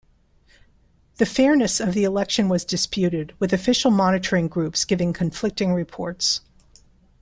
The fairness of the election was disputed, with official monitoring groups giving conflicting reports.